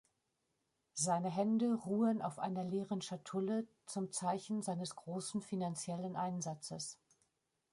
Seine Hände ruhen auf einer leeren Schatulle zum Zeichen seines großen finanzielle Einsatzes.